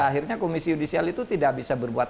akhirnya komisi judisial itu tidak bisa berbuat